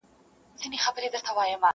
حق لرمه والوزم اسمان ته الوته لرم.